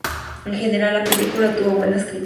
En general, la película tuvo buenas críticas.